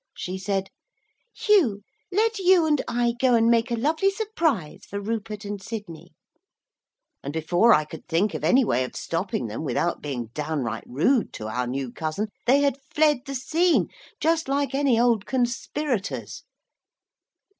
She said: 'Hugh, let you and I go and make a lovely surprise for Rupert and Sidney.' And before I could think of any way of stopping them without being downright rude to our new cousin, they had fled the scene, just like any old conspirators.